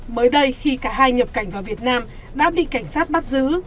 mới đây khi cả hai nhập cảnh vào việt nam đã bị cảnh sát bắt giữ